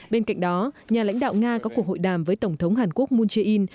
bên cạnh đó nhà lãnh đạo nga có cuộc hội đàm với tổng thống hàn quốc moon jae in